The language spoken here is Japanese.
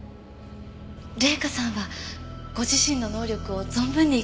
麗香さんはご自身の能力を存分に生かしてらっしゃいます。